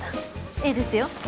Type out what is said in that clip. いいですよ